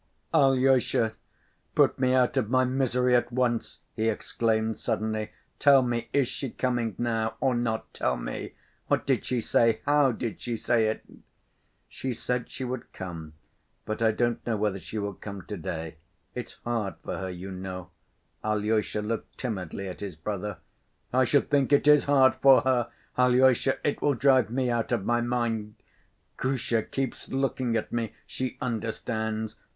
"Alyosha, put me out of my misery at once!" he exclaimed suddenly. "Tell me, is she coming now, or not? Tell me? What did she say? How did she say it?" "She said she would come, but I don't know whether she will come to‐day. It's hard for her, you know," Alyosha looked timidly at his brother. "I should think it is hard for her! Alyosha, it will drive me out of my mind. Grusha keeps looking at me. She understands.